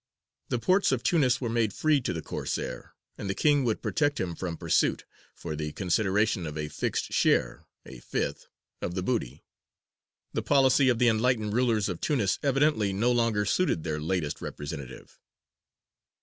The ports of Tunis were made free to the Corsair, and the king would protect him from pursuit, for the consideration of a fixed share a fifth of the booty. The policy of the enlightened rulers of Tunis evidently no longer suited their latest representative.